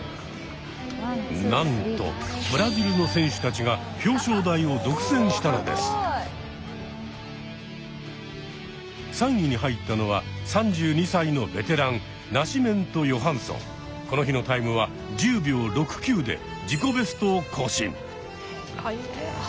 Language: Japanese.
なんとブラジルの選手たちが３位に入ったのは３２歳のベテランこの日のタイムは１０秒６９で自己ベストを更新。